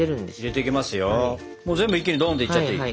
もう全部一気にドンっていっちゃっていい？